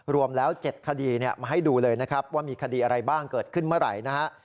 รวมแล้ว๗คดีมาให้ดูเลยนะครับว่ามีคดีอะไรบ้างเกิดขึ้นเมื่อไหร่นะฮะ